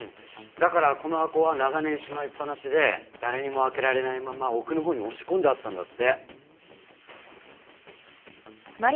だからこの箱は長年しまいっぱなしで誰にも開けられないまま奥のほうに押し込んであったんだって。